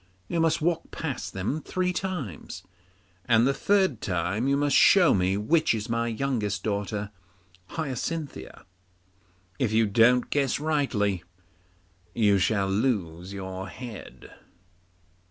You must walk past them three times, and the third time you must show me which is my youngest daughter Hyacinthia. If you don't guess rightly, you shall lose your head.